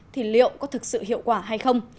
thì liệu có thực sự hiệu quả hay không